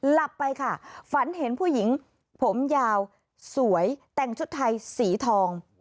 หลับไปค่ะฝันเห็นผู้หญิงผมยาวสวยแต่งชุดไทยสีทอง